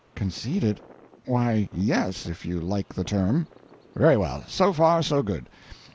"Concede it? Why, yes, if you like the term." "Very well; so far, so good.